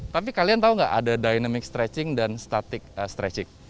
tapi kalian tahu nggak ada dynamic stretching dan static stretching